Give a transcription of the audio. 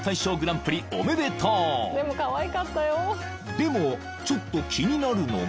［でもちょっと気になるのが］